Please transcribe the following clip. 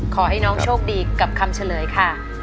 ขอให้น้องโชคดีกับคำเฉลยค่ะ